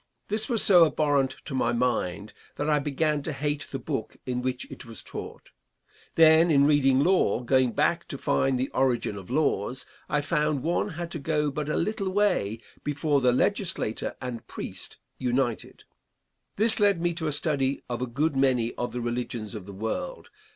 This was so abhorrent to my mind that I began to hate the book in which it was taught. Then, in reading law, going back to find the origin of laws, I found one had to go but a little way before the legislator and priest united. This led me to a study of a good many of the religions of the world.